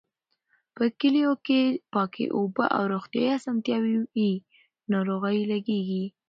په کليو کې چې پاکې اوبه او روغتيايي اسانتیاوې وي، ناروغۍ لږېږي.